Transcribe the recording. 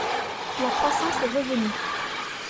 La croissance est revenue